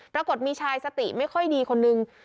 ปรากฏมีชายสติไม่ค่อยดีคนนึง